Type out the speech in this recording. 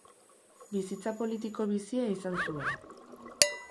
Bizitza politiko bizia izan zuen.